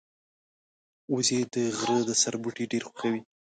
وزې د غره د سر بوټي ډېر خوښوي